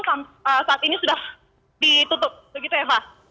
saat ini sudah ditutup begitu ya eva